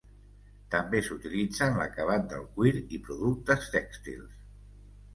També s'utilitza en l'acabat del cuir i productes tèxtils.